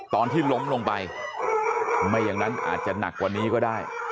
ตอนที่ล้มลงไปไม่อย่างนั้นอาจจะหนักกว่านี้ก็ได้